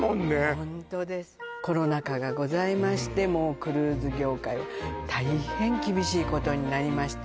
ホントですコロナ禍がございましてもうクルーズ業界は大変厳しいことになりました